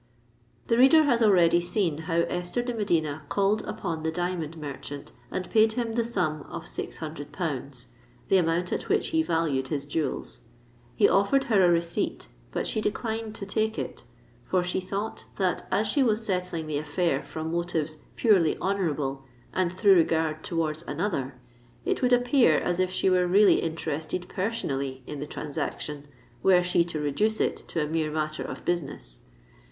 The reader has already seen how Esther de Medina called upon the diamond merchant, and paid him the sum of six hundred pounds—the amount at which he valued his jewels. He offered her a receipt; but she declined to take it—for she thought that as she was settling the affair from motives purely honourable and through regard towards another, it would appear as if she were really interested personally in the transaction were she to reduce it to a mere matter of business.